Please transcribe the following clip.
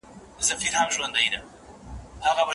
آیا د سهار شبنم د ماښام تر شبنم روښانه دی؟